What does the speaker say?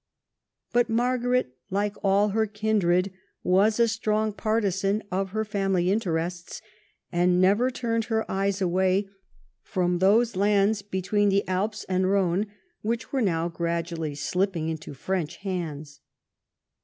But Margaret, like all her kindred, was a strong partisan of her family interests, and never turned her eyes away from those lands between the Alps and Khone, which were now gradually slipping into French hands.